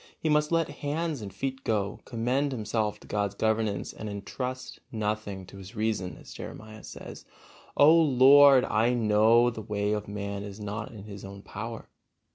He must let hands and feet go, commend himself to God's governance, and entrust nothing to his reason, as Jeremiah says, "O Lord, I know that the way of man is not in his own power."